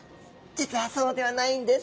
実はそうではないんです。